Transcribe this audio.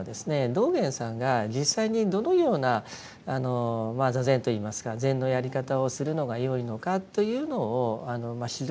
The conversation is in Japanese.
道元さんが実際にどのような坐禅といいますか禅のやり方をするのがよいのかというのを記した資料です。